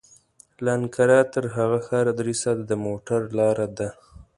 له انقره تر هغه ښاره درې ساعته د موټر لاره ده.